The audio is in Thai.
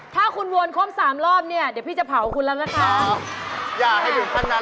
ถ้าคุณวนครบสามรอบเนี่ยเดี๋ยวพี่จะเผาคุณแล้วนะคะอย่าให้ถึงขั้นนั้น